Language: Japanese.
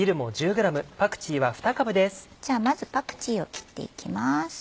じゃあまずパクチーを切っていきます。